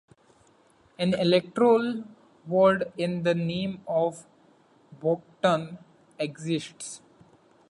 An electoral ward in the name of Broughton exists.